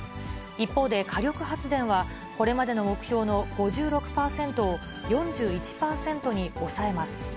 一方で火力発電は、これまでの目標の５６％を、４１％に抑えます。